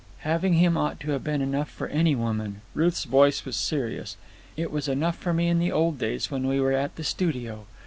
"Having him ought to have been enough for any woman." Ruth's voice was serious. "It was enough for me in the old days when we were at the studio.